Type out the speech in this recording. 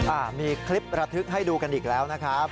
อ่ามีคลิประทึกให้ดูกันอีกแล้วนะครับ